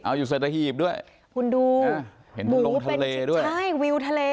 เอาอยู่สัตหีบด้วยคุณดูเห็นลงทะเลด้วยใช่วิวทะเล